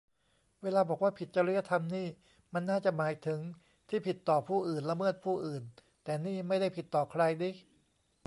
เวลาบอกว่าผิดจริยธรรมนี่ มันน่าจะหมายถึงที่ผิดต่อผู้อื่น ละเมิดผู้อื่น แต่นี่ไม่ได้ผิดต่อใครนิ